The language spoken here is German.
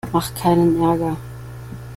Mach keinen Ärger!